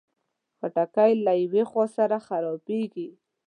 خټکی له یخو سره خرابېږي.